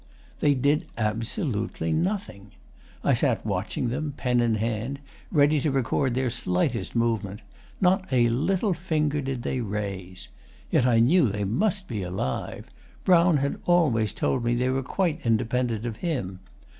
They did absolutely nothing. I sat watching them, pen in hand, ready to record their slightest movement. Not a little finger did they raise. Yet I knew they must be alive. Brown had always told me they were quite independent of him.